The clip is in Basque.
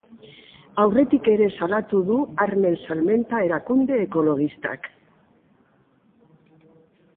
Aurretik ere salatu du armen salmenta erakunde ekologistak.